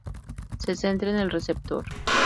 Se centra en el receptor.